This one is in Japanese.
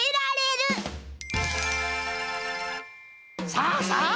さあさあ